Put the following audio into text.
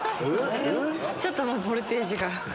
ちょっとボルテージが。